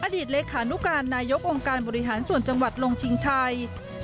เลขานุการนายกองค์การบริหารส่วนจังหวัดลงชิงชัย